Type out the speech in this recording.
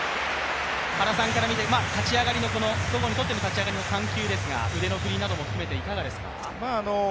原さんから見て戸郷の立ち上がりの緩急、腕の振りなども含めていかがですか？